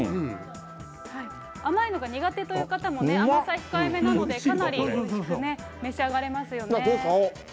甘いのが苦手という方もね、甘さ控えめなので、かなりおいしく召し上がれますよね。